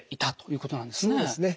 そうですね